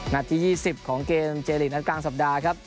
ที่๒๐ของเกมเจลีกนัดกลางสัปดาห์ครับ